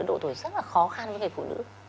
độ tuổi rất là khó khăn với người phụ nữ